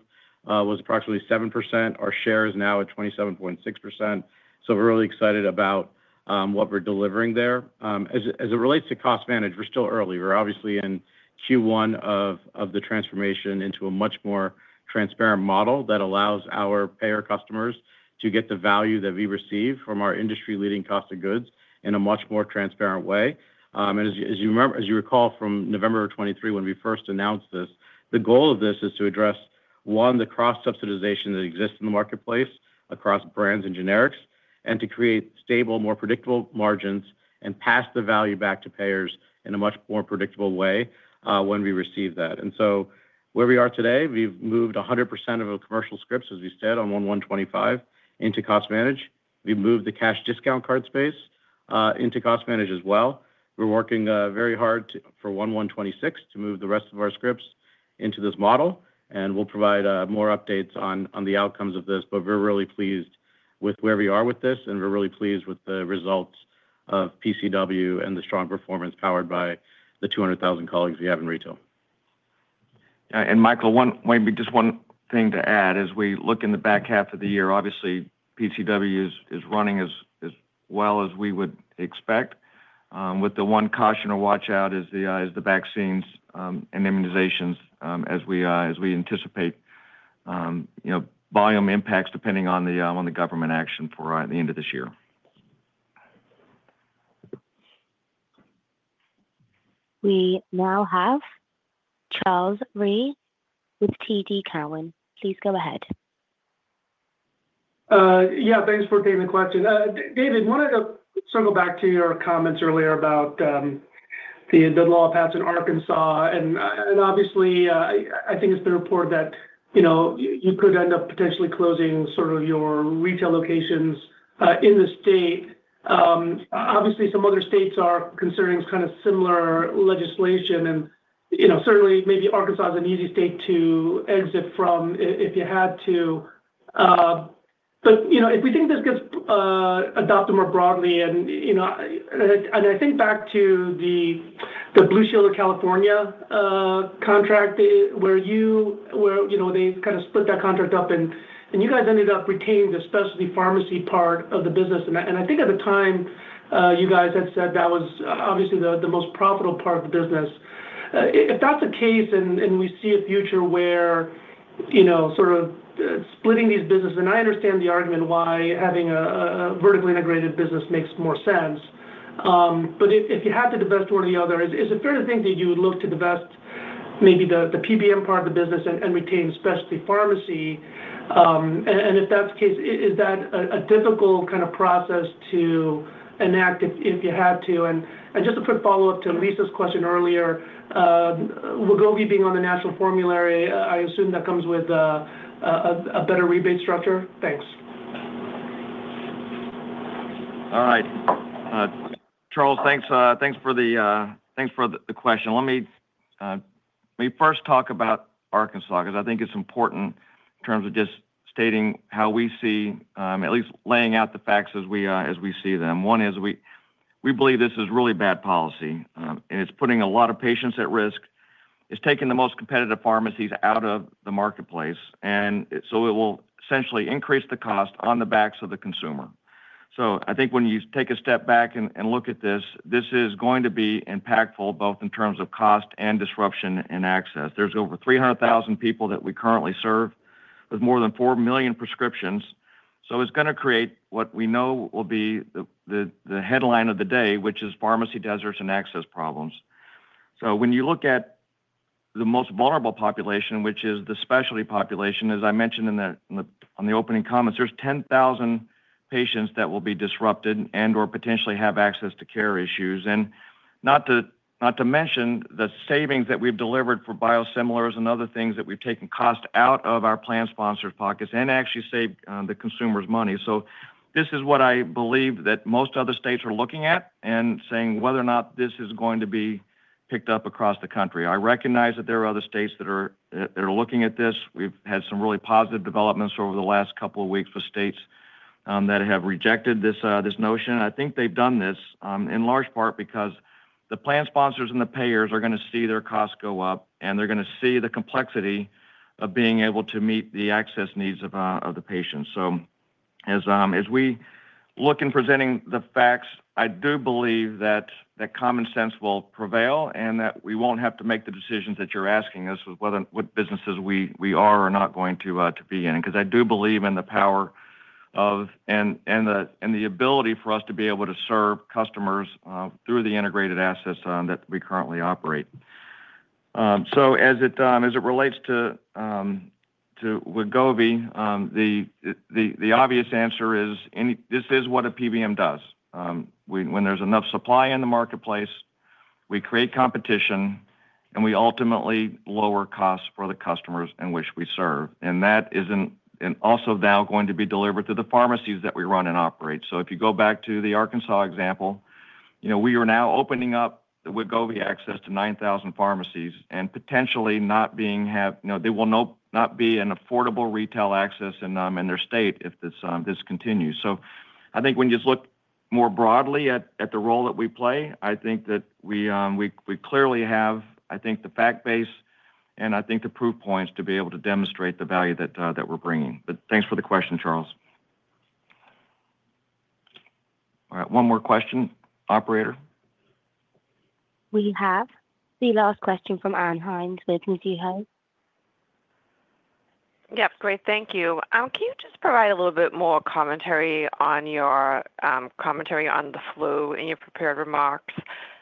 was approximately 7%. Our share is now at 27.6%. We are really excited about what we are delivering there. As it relates to CostVantage, we are still early. We are obviously in Q1 of the transformation into a much more transparent model that allows our payer customers to get the value that we receive from our industry-leading cost of goods in a much more transparent way. As you recall from November of 2023, when we first announced this, the goal of this is to address, one, the cross-subsidization that exists in the marketplace across brands and generics, and to create stable, more predictable margins and pass the value back to payers in a much more predictable way when we receive that. Where we are today, we've moved 100% of our commercial scripts, as we said, on 01/01/2025 into CostVantage. We've moved the cash discount card space into CostVantage as well. We're working very hard for 01/01/2026 to move the rest of our scripts into this model, and we'll provide more updates on the outcomes of this. We're really pleased with where we are with this, and we're really pleased with the results of PCW and the strong performance powered by the 200,000 colleagues we have in retail. Michael, just one thing to add, as we look in the back half of the year, obviously, PCW is running as well as we would expect, with the one caution to watch out is the vaccines and immunizations as we anticipate volume impacts depending on the government action for the end of this year. We now have Charles Rhyee with TD Cowen. Please go ahead. Yeah. Thanks for taking the question. David, I wanted to circle back to your comments earlier about the law passed in Arkansas. Obviously, I think it's been reported that you could end up potentially closing sort of your retail locations in the state. Obviously, some other states are considering kind of similar legislation, and certainly, maybe Arkansas is an easy state to exit from if you had to. If we think this gets adopted more broadly, and I think back to the Blue Shield of California contract where they kind of split that contract up, and you guys ended up retaining the Specialty Pharmacy part of the business. I think at the time, you guys had said that was obviously the most profitable part of the business. If that's the case and we see a future where sort of splitting these businesses, and I understand the argument why having a vertically integrated business makes more sense, but if you had to divest one or the other, is it fair to think that you would look to divest maybe the PBM part of the business and retain Specialty Pharmacy? If that's the case, is that a difficult kind of process to enact if you had to? Just to put follow-up to Lisa's question earlier, Wegovy being on the national formulary, I assume that comes with a better rebate structure? Thanks. All right. Charles, thanks for the question. Let me first talk about Arkansas because I think it's important in terms of just stating how we see, at least laying out the facts as we see them. One is we believe this is really bad policy, and it's putting a lot of patients at risk. It's taking the most competitive pharmacies out of the marketplace, and it will essentially increase the cost on the backs of the consumer. I think when you take a step back and look at this, this is going to be impactful both in terms of cost and disruption in access. There are over 300,000 people that we currently serve with more than 4 million prescriptions. It's going to create what we know will be the headline of the day, which is pharmacy deserts and access problems. When you look at the most vulnerable population, which is the specialty population, as I mentioned in the opening comments, there are 10,000 patients that will be disrupted and/or potentially have access to care issues. Not to mention the savings that we've delivered for biosimilars and other things that we've taken cost out of our plan sponsors' pockets and actually saved the consumer's money. This is what I believe that most other states are looking at and saying whether or not this is going to be picked up across the country. I recognize that there are other states that are looking at this. We've had some really positive developments over the last couple of weeks with states that have rejected this notion. I think they've done this in large part because the plan sponsors and the payers are going to see their costs go up, and they're going to see the complexity of being able to meet the access needs of the patients. As we look in presenting the facts, I do believe that common sense will prevail and that we won't have to make the decisions that you're asking us with what businesses we are or not going to be in. I do believe in the power of and the ability for us to be able to serve customers through the integrated assets that we currently operate. As it relates to Wegovy, the obvious answer is this is what a PBM does. When there's enough supply in the marketplace, we create competition, and we ultimately lower costs for the customers in which we serve. That is also now going to be delivered to the pharmacies that we run and operate. If you go back to the Arkansas example, we are now opening up the Wegovy access to 9,000 pharmacies and potentially not being they will not be an affordable retail access in their state if this continues. I think when you just look more broadly at the role that we play, I think that we clearly have, I think, the fact base and I think the proof points to be able to demonstrate the value that we're bringing. Thanks for the question, Charles. All right. One more question, operator. We have the last question from Ann Hynes with Mizuho. Yep. Great. Thank you. Can you just provide a little bit more commentary on your commentary on the flu in your prepared remarks?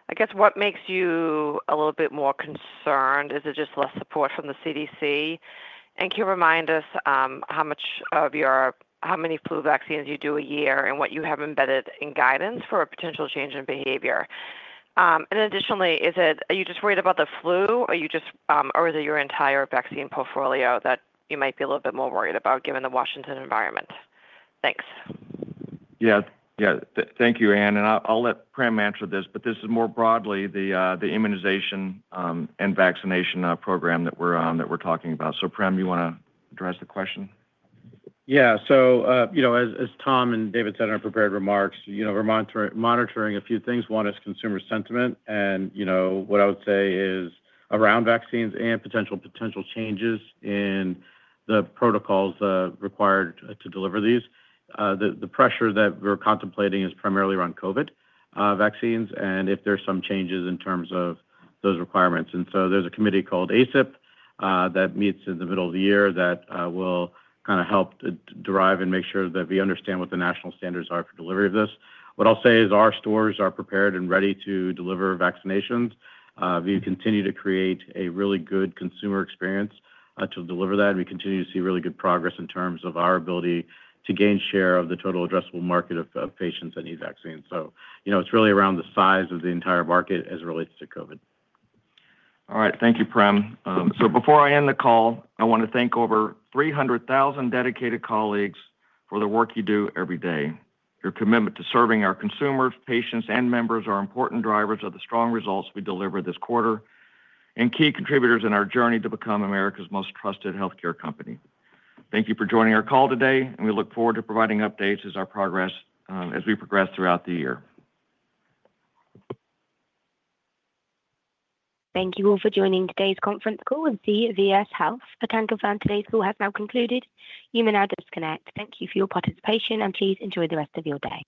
I guess what makes you a little bit more concerned? Is it just less support from the CDC? Can you remind us how much of your, how many flu vaccines you do a year and what you have embedded in guidance for a potential change in behavior? Additionally, are you just worried about the flu? Are you just, or is it your entire vaccine portfolio that you might be a little bit more worried about given the Washington environment? Thanks. Yeah. Thank you, Ann. I'll let Prem answer this, but this is more broadly the immunization and vaccination program that we're talking about. Prem, you want to address the question? Yeah. As Tom and David said in our prepared remarks, we're monitoring a few things. One is consumer sentiment. What I would say is around vaccines and potential changes in the protocols required to deliver these, the pressure that we're contemplating is primarily around COVID vaccines and if there's some changes in terms of those requirements. There is a committee called ACIP that meets in the middle of the year that will kind of help derive and make sure that we understand what the national standards are for delivery of this. What I'll say is our stores are prepared and ready to deliver vaccinations. We continue to create a really good consumer experience to deliver that. We continue to see really good progress in terms of our ability to gain share of the total addressable market of patients that need vaccines. It is really around the size of the entire market as it relates to COVID. All right. Thank you, Prem. Before I end the call, I want to thank over 300,000 dedicated colleagues for the work you do every day. Your commitment to serving our consumers, patients, and members are important drivers of the strong results we deliver this quarter and key contributors in our journey to become America's most trusted healthcare company. Thank you for joining our call today, and we look forward to providing updates as we progress throughout the year. Thank you all for joining today's conference call with CVS Health. The time confirmed today's call has now concluded. You may now disconnect. Thank you for your participation, and please enjoy the rest of your day.